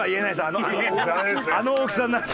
あの大きさになると。